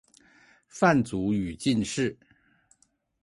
范祖禹进士。